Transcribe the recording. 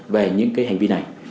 về những cái hành vi này